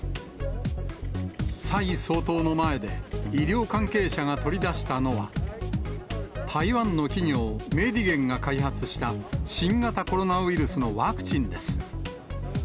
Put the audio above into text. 蔡総統の前で、医療関係者が取り出したのは、台湾の企業、メディゲンが開発した、新型コロナウイルスのワクチンです。